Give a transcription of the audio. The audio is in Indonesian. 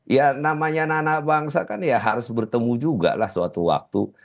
ya namanya anak anak bangsa kan ya harus bertemu juga lah suatu waktu